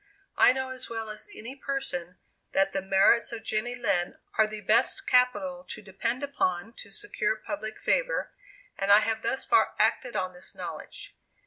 I know as well as any person that the merits of Jenny Lind are the best capital to depend upon to secure public favor, and I have thus far acted on this knowledge.